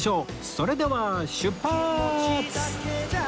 それでは出発！